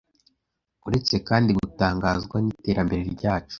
Uretse kandi gutangazwa n’iterambere ryacu